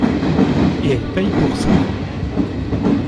Et elle paye pour ça !…